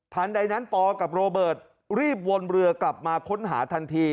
ใดนั้นปกับโรเบิร์ตรีบวนเรือกลับมาค้นหาทันที